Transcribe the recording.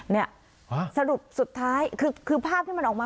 เนี่ยสรุปสุดท้ายคือภาพที่มันออกมา